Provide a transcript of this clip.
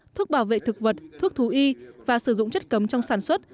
thuốc bảo vệ thực vật thuốc thú y và sử dụng chất cấm trong sản xuất